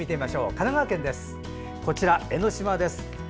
神奈川県の江の島です。